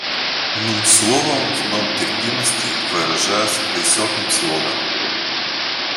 Ну, словом, в дом терпимости, выражаясь высоким слогом